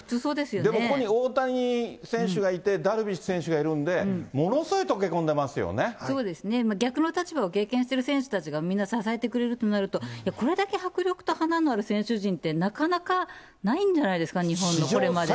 でもここに大谷選手がいて、ダルビッシュ選手がいるんで、もそうですね、逆の立場を経験してる選手たちがみんな支えてくれるとなると、これだけ迫力と華のある選手陣ってなかなかないんじゃないですか、日本のこれまでの。